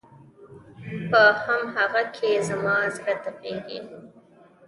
په هم هغه کې زما زړه تپېږي